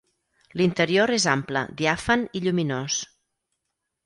L'interior és ample, diàfan i lluminós.